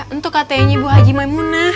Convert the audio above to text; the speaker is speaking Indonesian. untuk katanya embu haji maimunah